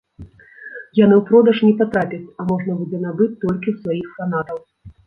Яны ў продаж не патрапяць, а можна будзе набыць толькі ў сваіх фанатаў.